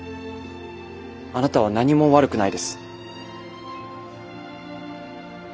あなたは何も悪くないです。